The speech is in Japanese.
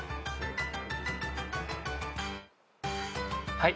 はい。